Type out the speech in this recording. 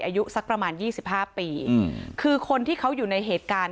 อายุสักประมาณ๒๕ปีคือคนที่เขาอยู่ในเหตุการณ์